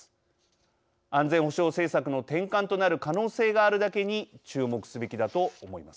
安全保障政策の転換となる可能性があるだけに注目すべきだと思います。